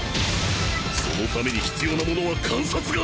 そのために必要なものは観察眼。